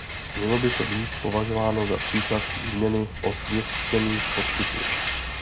Mělo by to být považováno za příklad výměny osvědčených postupů.